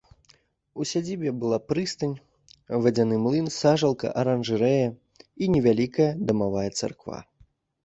У сядзібе была прыстань, вадзяны млын, сажалка, аранжарэя і невялікая дамавая царква.